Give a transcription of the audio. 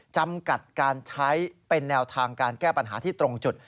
จำกัดการใช้เป็นแนวทางการแก้ปัญหาที่ตรงจุด